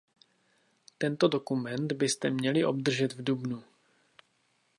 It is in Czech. Tento dokument byste měli obdržet v dubnu.